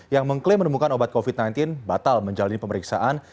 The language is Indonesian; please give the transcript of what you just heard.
yang mengklaim menemukan obat covid sembilan belas batal menjalani pemeriksaan